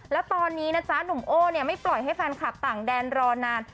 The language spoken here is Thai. แล้วตอนนี้นะจ๊ะหนุ่มโอ้เนี่ยไม่ปล่อยให้แฟนคลับต่างแดนรอนาน